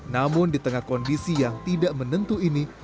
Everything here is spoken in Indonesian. namun di tengah kondisi yang tidak menentu ini